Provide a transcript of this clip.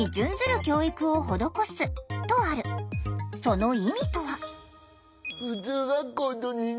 その意味とは。